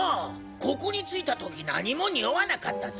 ここに着いた時何も臭わなかったぞ？